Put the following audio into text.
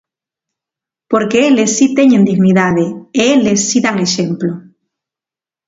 Porque eles si teñen dignidade, e eles si dan exemplo.